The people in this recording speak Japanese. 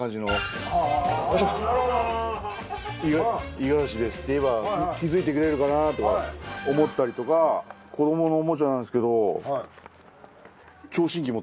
五十嵐ですって言えば気づいてくれるかなとか思ったりとか子どものおもちゃなんですけど。